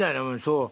「そう。